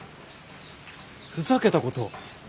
ふざけたことを。